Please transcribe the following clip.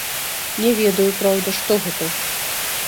Не ведаю, праўда, што гэта.